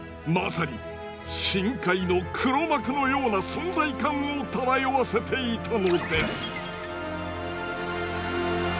まさに深海の黒幕のような存在感を漂わせていたのです。